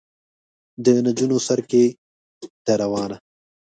د نجونو سر کې ده روانه.